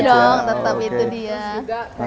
dong tetap itu dia